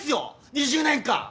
⁉２０年間！